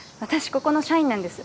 ここの社員なんです。